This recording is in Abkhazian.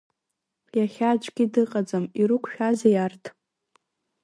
Иахьа аӡәгьы дыҟаӡам, ирықәшәазеи арҭ?!